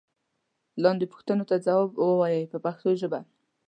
لاندې پوښتنو ته ځواب و وایئ په پښتو ژبه.